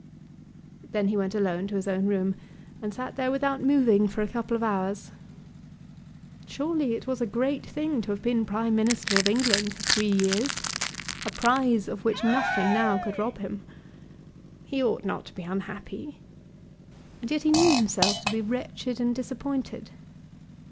Then he went alone to his own room, and sat there without moving for a couple of hours. Surely it was a great thing to have been Prime Minister of England for three years, a prize of which nothing now could rob him. He ought not to be unhappy; and yet he knew himself to be wretched and disappointed.